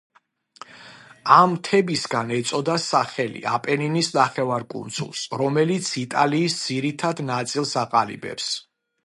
ამ მთებისგან ეწოდა სახელი აპენინის ნახევარკუნძულს, რომელიც იტალიის ძირითად ნაწილს აყალიბებს.